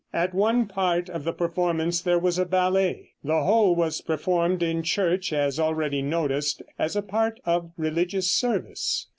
At one part of the performance there was a ballet. The whole was performed in church, as already noticed, as a part of religious service.